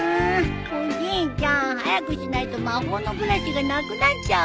おじいちゃん早くしないと魔法のブラシがなくなっちゃうよ。